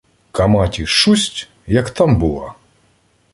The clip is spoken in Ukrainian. К Аматі шусть — як там була!